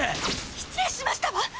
失礼しましたわ！